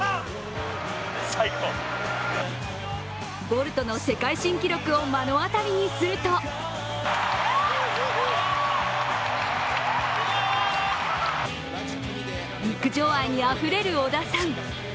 ボルトの世界新記録を目の当たりにすると陸上愛にあふれる織田さん。